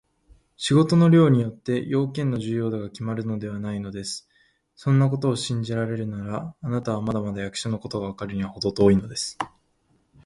仕事の量によって、用件の重要度がきまるのではないのです。そんなことを信じられるなら、あなたはまだまだ役所のことがわかるのにはほど遠いのです。